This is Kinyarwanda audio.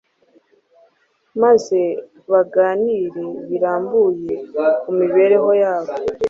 maze baganire birambuye ku mibereho yabo